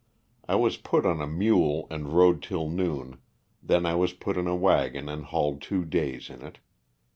I was put on a mule and rode till noon, then I was put in a wagon and hauled two days in it.